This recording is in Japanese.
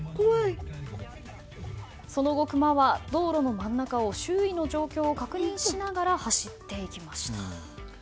その後、クマは道路の真ん中を周囲の状況を確認しながら走っていきました。